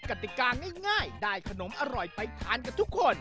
กติกาง่ายได้ขนมอร่อยไปทานกันทุกคน